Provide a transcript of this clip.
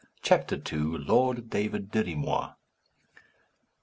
CHAPTER II. LORD DAVID DIRRY MOIR.